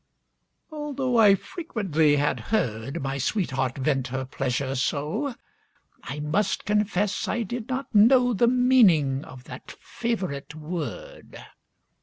Although I frequently had heard My sweetheart vent her pleasure so, I must confess I did not know The meaning of that favorite word.